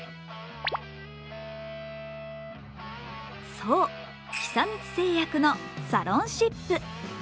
そう、久光製薬のサロンシップ。